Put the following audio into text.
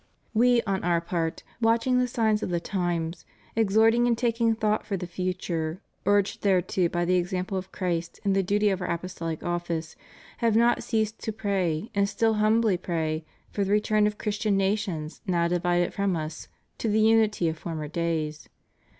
We on Our part, watching the signs of the times, exhorting and taking thought for the future, urged thereto by the example of Christ and the duty of Our apostolic office, have not ceased to pray, and still humbly pray, for the return of Christian nations now divided from Us to the unity of former days.